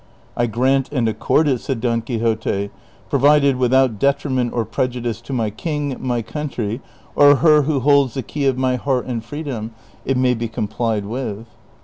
'' I grant and accord it," said Don Quixote, " })rovided with out detriment or prejudice to my king, my country, or her who holds the key of my heart and freedom, it may be complied with."